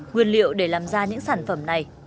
nguyên liệu để làm ra những sản phẩm này